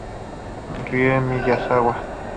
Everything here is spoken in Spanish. Rie Miyazawa